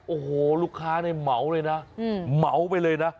โอ้โหลูกค้าเนี่ยเมาที่มีเมาเบอร์เลยนะ